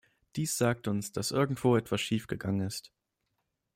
Dies sagt uns, dass irgendwo etwas schief gegangen ist.